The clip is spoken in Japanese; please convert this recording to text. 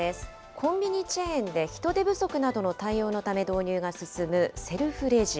コンビニチェーンで人手不足などの対応のため導入が進むセルフレジ。